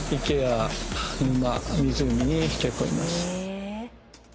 え。